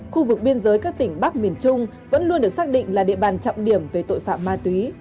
khu vực biên giới các tỉnh bắc miền trung vẫn luôn được xác định là địa bàn trọng điểm về tội phạm ma túy